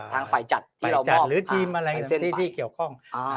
ทางฝ่ายจัดหรือทีมอะไรที่เกี่ยวข้อง